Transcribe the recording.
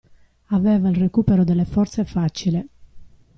Aveva il recupero delle forze facile!